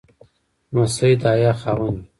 لمسی د حیا خاوند وي.